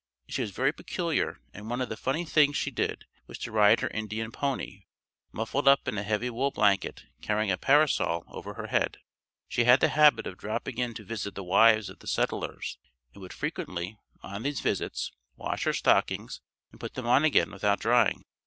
She was very peculiar and one of the funny things she did was to ride her Indian pony, muffled up in a heavy wool blanket carrying a parasol over her head. She had the habit of dropping in to visit the wives of the settlers and would frequently; on these visits, wash her stockings and put them on again without drying.